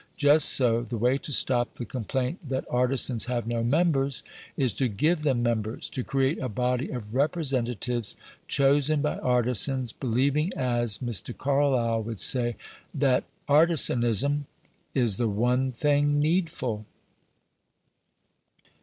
Just so, the way to stop the complaint that artisans have no members is to give them members to create a body of representatives, chosen by artisans, believing, as Mr. Carlyle would say, "that artisanism is the one thing needful".